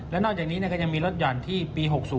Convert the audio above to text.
แล้วนอกจากนี้ก็จะมีลดหยอดที่ปี๖๐